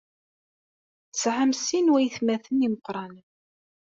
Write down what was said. Tesɛamt sin n waytmaten imeqranen.